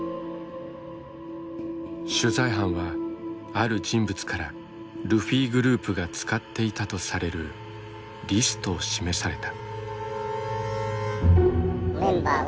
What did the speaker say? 取材班はある人物からルフィグループが使っていたとされるリストを示された。